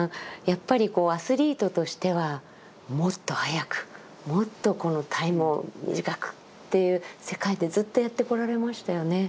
やっぱりアスリートとしてはもっと速くもっとこのタイムを短くっていう世界でずっとやってこられましたよね。